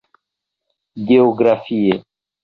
Geografie: